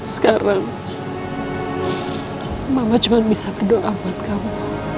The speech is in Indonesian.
sekarang mama cuma bisa berdoa buat kamu